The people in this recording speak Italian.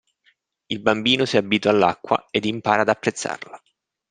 Il bambino si abitua all'acqua ed impara ad apprezzarla.